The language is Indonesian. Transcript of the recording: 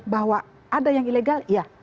bahwa ada yang ilegal ya